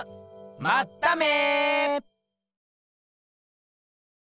まっため！